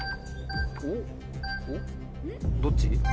どっち？